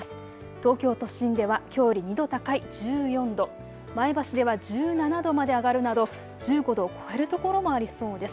東京都心ではきょうより２度高い１４度、前橋では１７度まで上がるなど１５度を超える所もありそうです。